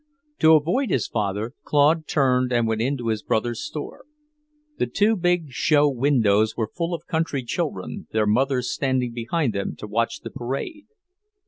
To avoid his father, Claude turned and went in to his brother's store. The two big show windows were full of country children, their mothers standing behind them to watch the parade.